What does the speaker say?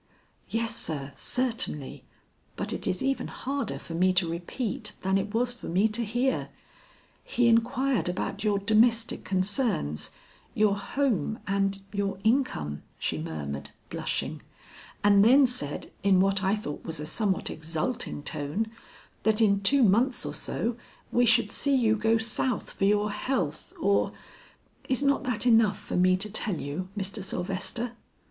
"Yes, sir, certainly, but it is even harder for me to repeat than it was for me to hear. He inquired about your domestic concerns, your home and your income," she murmured blushing; "and then said, in what I thought was a somewhat exulting tone, that in two months or so we should see you go South for your health or Is not that enough for me to tell you, Mr. Sylvester?"